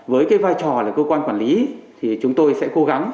với cái vai trò là cơ quan quản lý thì chúng tôi sẽ cố gắng